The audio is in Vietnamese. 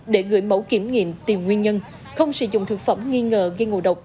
để gửi mẫu kiểm nghiệm tìm nguyên nhân không sử dụng thực phẩm nghi ngờ gây ngộ độc